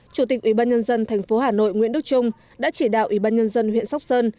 chủ tịch ủy ban nhân dân tp hà nội nguyễn đức trung đã chỉ đạo ủy ban nhân dân huyện sóc sơn